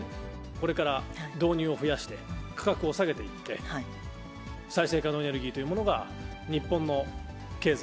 これから導入を増やして価格を下げていって、再生可能エネルギーというものが、日本の経済、